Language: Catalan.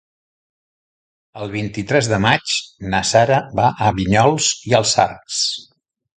El vint-i-tres de maig na Sara va a Vinyols i els Arcs.